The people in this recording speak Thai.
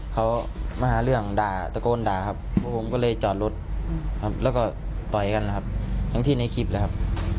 เขามาหาเรื่องด่าตะโกนด่าครับพวกผมก็เลยจอดรถครับแล้วก็ต่อยกันนะครับทั้งที่ในคลิปเลยครับ